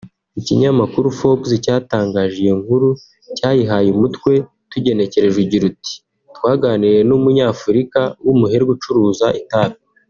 ikinyamakuru Forbes cyatangaje iyo nkuru cyayihaye umutwe tugenekereje ugira uti “Twaganiriye n’Umunyafurika w’umuherwe ucuruza itabi